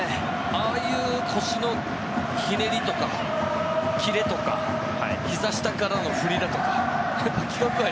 ああいう腰のひねりとかキレとかひざ下からの振りだとか。